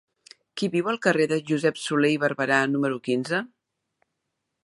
Qui viu al carrer de Josep Solé i Barberà número quinze?